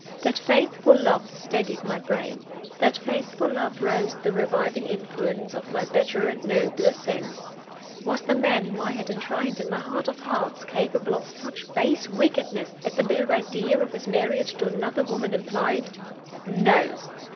That faithful love steadied my brain. That faithful love roused the reviving influences of my better and nobler sense. Was the man whom I had enshrined in my heart of hearts capable of such base wickedness as the bare idea of his marriage to another woman implied? No!